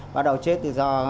bắt đầu chết từ do